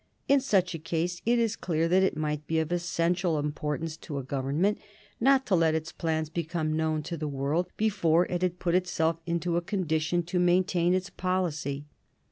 In such a case it is clear that it might be of essential importance to a Government not to let its plans become known to the world before it had put itself into a condition to maintain its policy.